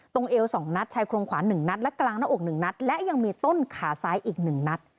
เอว๒นัดชายโครงขวา๑นัดและกลางหน้าอก๑นัดและยังมีต้นขาซ้ายอีก๑นัด